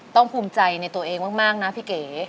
ภูมิใจในตัวเองมากนะพี่เก๋